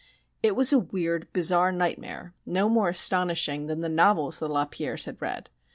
It was a weird, bizarre nightmare, no more astonishing than the novels the Lapierres had read.